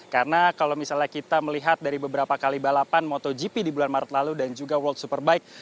karena kalau misalnya kita melihat dari beberapa kali balapan motogp di bulan maret lalu dan juga world superbike